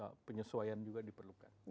nah penyesuaian juga diperlukan